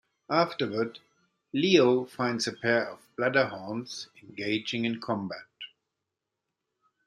Afterward, Leo finds a pair of Bladderhorns engaging in combat.